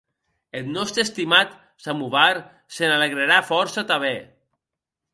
Eth nòste estimat samovar se n'alegrarà fòrça tanben.